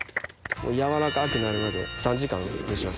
軟らかくなるまで３時間蒸します。